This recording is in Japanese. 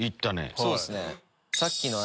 そうっすね。